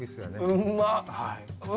うまっ。